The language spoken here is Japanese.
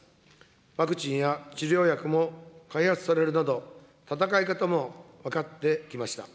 ワクチンや治療薬も開発されるなど、戦い方も分かってきました。